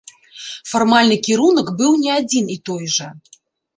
Фармальны кірунак быў не адзін і той жа.